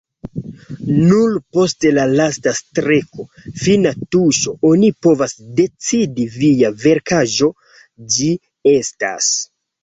Nur post la lasta streko, fina tuŝo, oni povas decidi kia verkaĵo ĝi estas.